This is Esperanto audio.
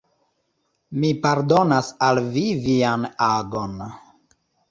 Mi pardonas al vi vian agon.